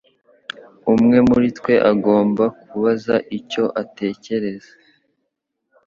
Umwe muri twe agomba kubaza icyo atekereza.